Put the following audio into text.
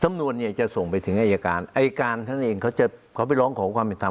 สำนวนเนี่ยจะส่งไปถึงอายการอายการท่านเองเขาจะเขาไปร้องขอความเป็นธรรม